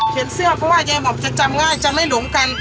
เขียนเสื้อเพราะว่าเจมส์อ่อมจะจำง่ายจำไม่หลงกัน